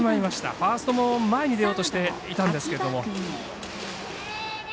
ファーストも前に出ようとしていたんですけども。